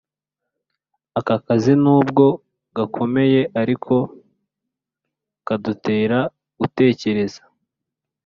Aka kazi nubwo gakomeye ariko kadutera gutekereza